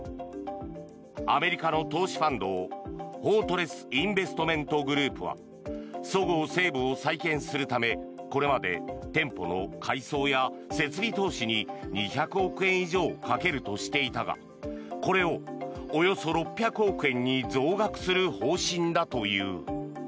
アメリカの投資ファンドフォートレス・インベストメント・グループはそごう・西武を再建するためこれまで店舗の改装や設備投資に２００億円以上かけるとしていたがこれをおよそ６００億円に増額する方針だという。